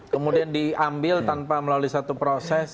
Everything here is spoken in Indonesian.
kemudian diambil tanpa melalui satu proses